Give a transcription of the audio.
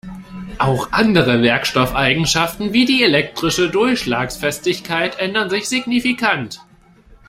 Auch andere Werkstoffeigenschaften wie die elektrische Durchschlagsfestigkeit ändern sich signifikant.